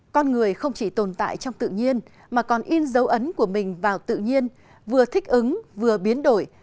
con người không chỉ tồn tại trong tự nhiên mà còn in dấu ấn của mình vào tự nhiên vừa thích ứng vừa biến đổi